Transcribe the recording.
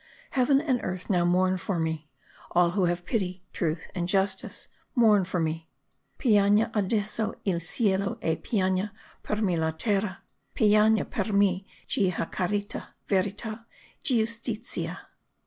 Heaven and earth now mourn for me; all who have pity, truth, and justice, mourn for me (pianga adesso il cielo e pianga per me la terra; pianga per me chi ha carita, verita, giustizia)."